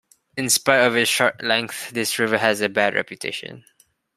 In spite of its short length, this river has a bad reputation.